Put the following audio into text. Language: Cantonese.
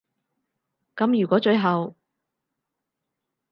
噉如果最後